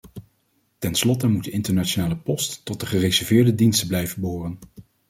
Tenslotte moet de internationale post tot de gereserveerde diensten blijven behoren.